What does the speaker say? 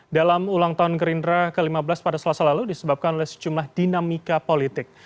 dalam ulang tahun gerindra ke lima belas pada selasa lalu disebabkan oleh sejumlah dinamika politik